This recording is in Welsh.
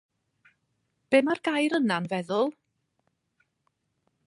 Be' mae'r gair yna 'n feddwl?